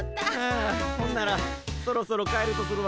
あほんならそろそろ帰るとするわ。